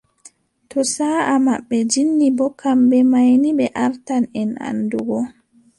Too saaʼa maɓɓe jinni boo, kamɓe may ni ɓe artan en anndungo.